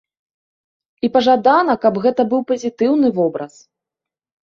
І пажадана, каб гэта быў пазітыўны вобраз.